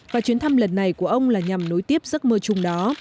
và chuyến thăm lần này của ông là nhằm nối tiếp giấc mơ chung đó